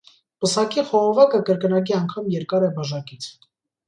Պսակի խողովակը կրկնակի անգամ երկար է բաժակից։